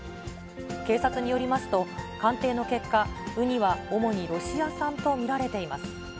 警察によりますと、鑑定の結果、ウニは主にロシア産と見られています。